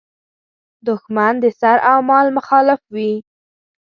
دوښمن د سر او مال مخالف وي.